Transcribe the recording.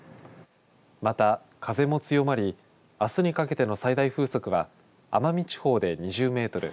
ｏまた風も強まりあすにかけての最大風速は奄美地方で２０メートル